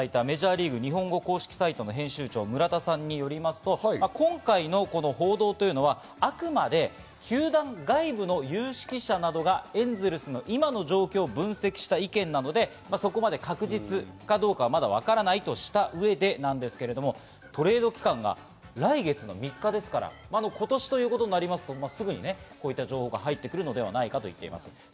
ＶＴＲにも出演していただいたメジャーリーグ日本語公式サイトの編集長・村田さんによりますと、今回のこの報道はあくまで球団外部の有識者などが、エンゼルスの今の状況を分析した意見などで、そこまで確実かはわからないとした上でなんですけれども、トレード期間は来月３日ですから今年ということになりますと、すぐにこういった情報が入ってくるのではないかと思います。